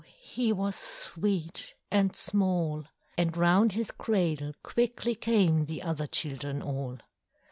he was sweet and small! And round his cradle quickly came The other children all.